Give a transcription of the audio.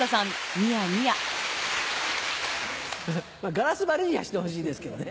ガラス張りにはしてほしいですけどね。